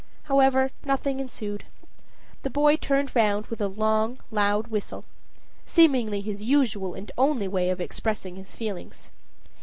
However, nothing ensued. The boy turned round, with a long, loud whistle seemingly his usual and only way of expressing his feelings.